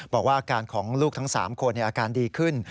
บอกว่าอาการของลูกทั้ง๓คนอาการดีขึ้น